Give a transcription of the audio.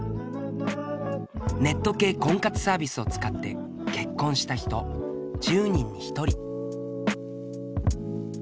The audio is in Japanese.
ネット系婚活サービスを使って結婚した人１０人に１人。